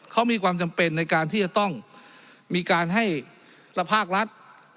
เขามีความจำเป็นในการที่จะต้องมีการให้ละภาครัฐ